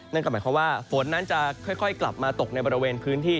นั่นก็หมายความว่าฝนนั้นจะค่อยกลับมาตกในบริเวณพื้นที่